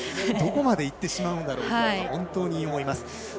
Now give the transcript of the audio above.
どこまでいってしまうんだろうと本当に思います。